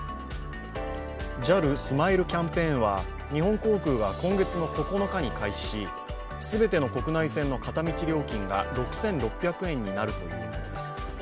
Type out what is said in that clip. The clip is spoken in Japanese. ＪＡＬスマイルキャンペーンは日本航空が今月９日に開始し全ての国内線の片道料金が６６００円になるというものです。